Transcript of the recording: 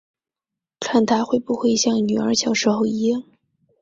看她会不会像女儿小时候一样